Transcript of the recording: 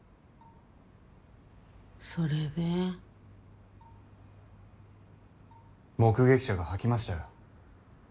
それで？目撃者が吐きましたよ。